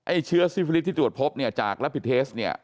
เชื้อซิฟิลิสที่ตรวจพบเนี่ยจากรับผิดเทสเนี่ย